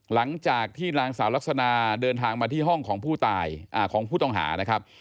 หลังจากที่นางสาวลักษณะเดินทางมาที่ห้องของผู้ต่องหา